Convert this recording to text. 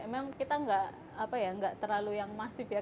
emang kita nggak terlalu yang masif ya